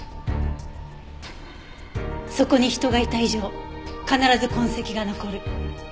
そこに人がいた以上必ず痕跡が残る。